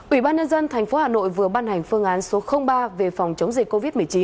ủy ban nhân dân tp hà nội vừa ban hành phương án số ba về phòng chống dịch covid một mươi chín